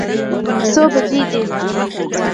څو بجې دي.